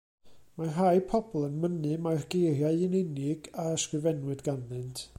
Mae rhai pobl yn mynnu mai'r geiriau'n unig a ysgrifennwyd ganddynt.